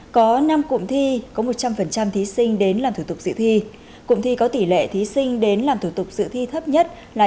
có năm cụm thi có một trăm linh thí sinh đến làm thủ tục dự thi cụm thi có tỷ lệ thí sinh đến làm thủ tục dự thi thấp nhất là chín mươi năm ba